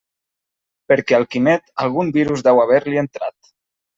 Perquè al Quimet algun virus deu haver-li entrat.